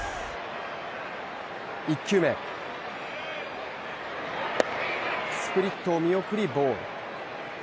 １球目、スプリットを見送りボール。